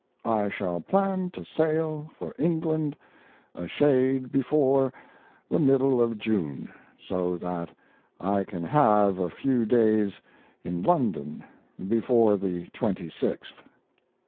I shall plan to sail for England a shade before the middle of June, so that I can have a few days in London before the 26th.